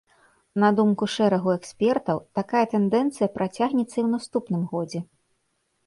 На думку шэрагу экспертаў, такая тэндэнцыя працягнецца і ў наступным годзе.